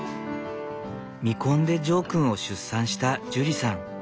未婚でジョー君を出産したジュリさん。